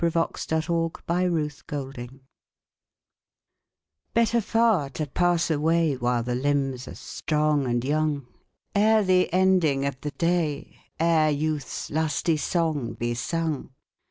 XV Better Far to Pass Away BETTER far to pass away While the limbs are strong and young, Ere the ending of the day, Ere youth's lusty song be sung.